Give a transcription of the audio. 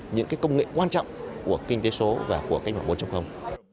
những công nghệ quan trọng của kinh tế số và của cách mạng bốn